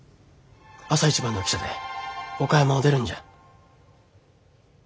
朝一番の汽車で岡山を出るんじゃ。